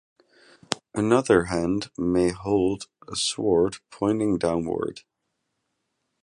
Another hand may hold a sword pointing downward.